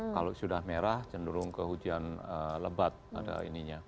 kalau sudah merah cenderung ke hujan lebat ada ininya